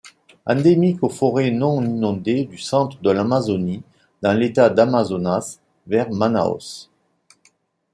Endémique aux forêts non-inondées du centre de l'Amazonie, dans l'État d'Amazonas, vers Manaus.